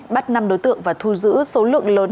bắt năm đối tượng và thu giữ số lượng lớn